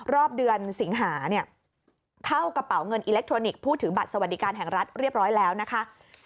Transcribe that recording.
รอบเดือนสิงหาเข้ากระเป๋าเงินอิเล็กทรอนิกส์ผู้ถือบัตรสวัสดิการแห่งรัฐเรียบร้อยแล้วนะคะ